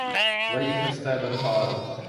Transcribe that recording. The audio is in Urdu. وہی خستہ، بد حال